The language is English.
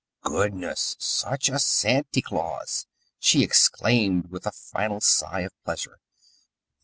"Goodness, such a Santy Claus!" she exclaimed with a final sigh of pleasure.